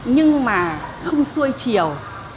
nhưng mà không xuôi chiều